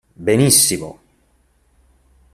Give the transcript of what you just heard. Benissimo.